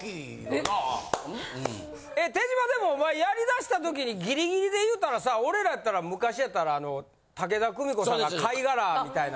手島でもお前やり出した時にギリギリで言うたらさ俺らやったら昔やったらあの武田久美子さんが貝殻みたいな。